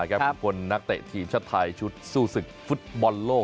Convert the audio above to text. ที่ผ่านมานะครับคนนักเตะทีมชาติไทยชุดสู้สึกฟุตบอลโลก๒๐๑๘